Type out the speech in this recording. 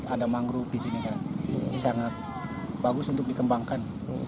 ada mangrove di sini kan sangat bagus untuk dikembangkan